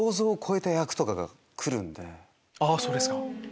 あそうですか！